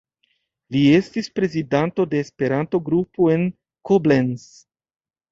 Li estis prezidanto de Esperanto-grupo en Koblenz.